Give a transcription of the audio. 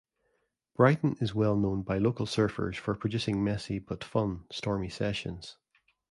Brighton is well known by local surfers for producing messy but fun 'stormy sessions'.